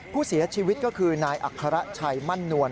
ผู้เสียชีวิตก็คือนายอัครชัยมั่นนวล